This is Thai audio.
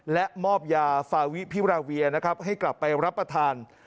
และมอบยาฟาวิพิราเวียนะครับให้กลับไปรับประทาน